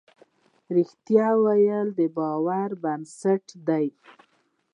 رښتيا ويل د باور بنسټ دی.